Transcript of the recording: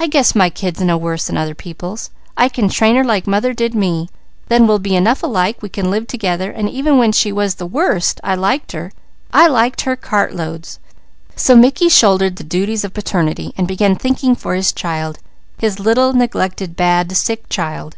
I guess my kid's no worse than other people's. I can train her like mother did me; then we'll be enough alike we can live together, and even when she was the worst, I liked her. I liked her cartloads." So Mickey shouldered the duties of paternity, and began thinking for his child, his little, neglected, bad, sick child.